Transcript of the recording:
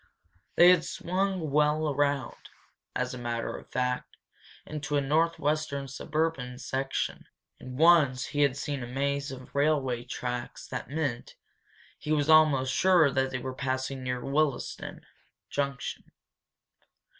They had swung well around, as a matter of fact, into a northwestern suburban section, and once he had seen a maze of railway tracks that meant, he was almost sure that they were passing near Willisden Junction.